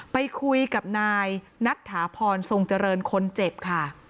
ไปคุยกับนายนัทถาพรทรงเจริญคนเจ็บค่ะ